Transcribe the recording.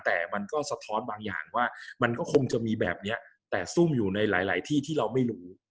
แต่มันก็สะท้อนบางอย่างว่ามันก็คงจะมีแบบนี้แต่ซุ่มอยู่ในหลายที่ที่เราไม่รู้